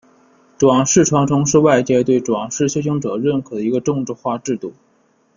转世传承是外界对转世修行者认可的一个政治化制度。